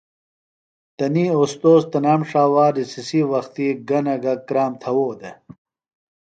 تنی اوستوذ تنام ݜاوا رِسسی وختی گہ نہ گہ کرام تھوؤ دےۡ۔